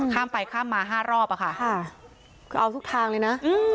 ข้ามไปข้ามมา๕รอบอะค่ะคือเอาทุกทางเลยนะ